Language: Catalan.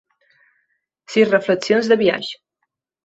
Sis reflexions de biaix.